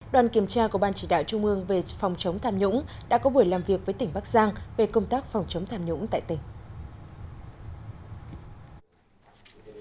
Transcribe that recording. đoàn kiểm tra của ban chỉ đạo trung ương về phòng chống tham nhũng đã có buổi làm việc với tỉnh bắc giang về công tác phòng chống tham nhũng tại tỉnh